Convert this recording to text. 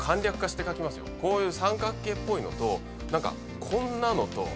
こういう三角形っぽいのと何かこんなのと。